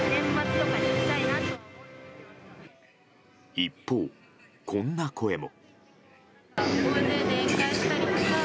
一方、こんな声も。